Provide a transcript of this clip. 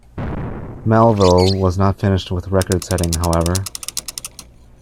Melville was not finished with record-setting, however.